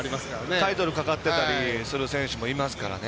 タイトルかかってたりする選手もいますからね。